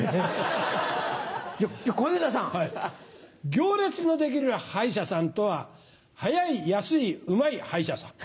行列の出来る歯医者さんとは早い安いうまい歯医者さん。